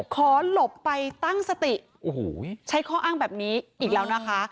ขอหลบไปตั้งสติโอ้โหใช้ข้ออ้างแบบนี้อีกแล้วนะคะ